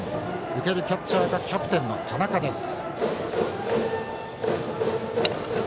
受けるキャッチャーがキャプテンの田中です。